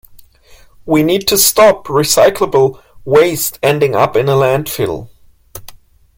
We need to stop recyclable waste ending up in a landfill.